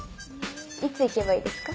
いつ行けばいいですか？